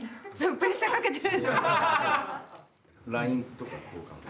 プレッシャーかけてる？